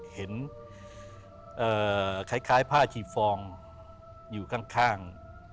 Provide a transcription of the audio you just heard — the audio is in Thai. เห็นคล้ายผ้าชีฟองอยู่ข้าง